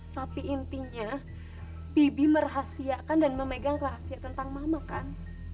tapi intinya bibi merahasiakan dan memegang klasir tentang mama kan